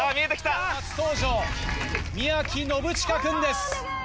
初登場宮木宣誓君です。